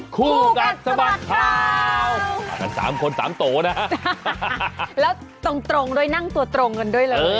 คู่กัดสะบัดข่าวกันสามคนสามโตนะฮะแล้วตรงด้วยนั่งตัวตรงกันด้วยเลย